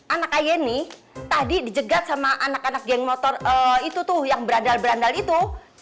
anak ayeni tadi dijegat sama anak anak geng motor itu tuh yang berandal berandal itu